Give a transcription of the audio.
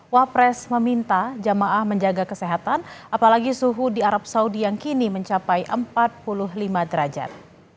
wapres meminta jamaah menjaga kesehatan apalagi suhu di arab saudi yang kini mencapai empat puluh lima derajat